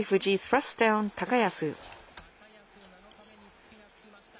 高安、７日目に土がつきました。